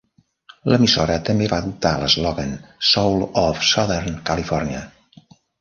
L'emissora també va adoptar l'eslògan "Soul of Southern California".